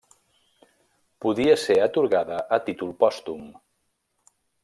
Podia ser atorgada a títol pòstum.